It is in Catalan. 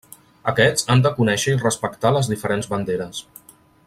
Aquests han de conèixer i respectar les diferents banderes.